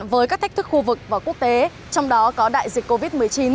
với các thách thức khu vực và quốc tế trong đó có đại dịch covid một mươi chín